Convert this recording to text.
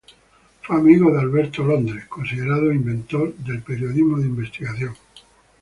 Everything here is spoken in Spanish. Fue amigo de Albert Londres, considerado inventor del periodismo de investigación.